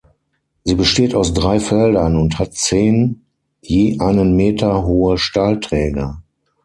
Sie besteht aus drei Feldern und hat zehn je einen Meter hohe Stahlträger.